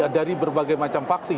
dari berbagai macam vaksi